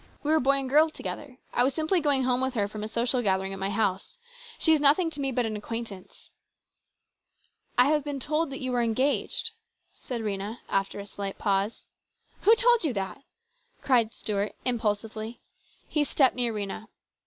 We were boy and girl together. I was simply going home with her from a social gathering at my house. She is nothing to me but an acquaintance." " I have been told that you were engaged," said Rhena after a slight pause. " Who told you that ?" cried Stuart impulsively. He stepped near Rhena.